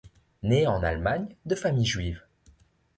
Né en Allemagne, de famille juive.